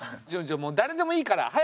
もう誰でもいいから早くして。